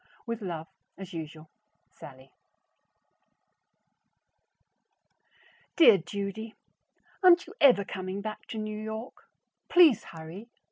With love, as usual, SALLIE. Dear Judy: Aren't you ever coming back to New York? Please hurry!